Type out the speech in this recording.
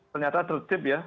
ternyata tertip ya